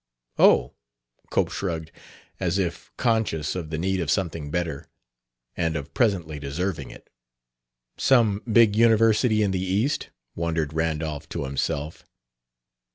"Oh!" Cope shrugged, as if conscious of the need of something better, and of presently deserving it. "Some big university in the East?" wondered Randolph to himself.